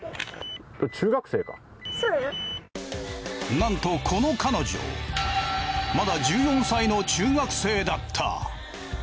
なんとこの彼女まだ１４歳の中学生だった。